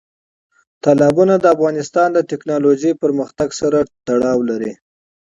تالابونه د افغانستان د تکنالوژۍ پرمختګ سره تړاو لري.